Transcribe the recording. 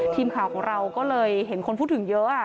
ทีมข่าวของเราก็เลยเห็นคนพูดถึงเยอะ